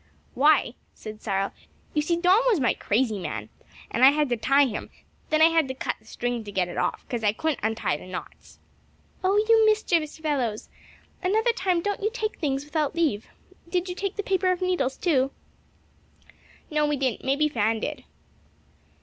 "Why," said Cyril, "you see Don was my crazy man and I had to tie him; and then I had to cut the string to get it off, 'cause I couldn't untie the knots." "Oh, you mischievous fellows. Another time don't you take things without leave. Did you take a paper of needles too?" "No, we didn't; maybe Fan did."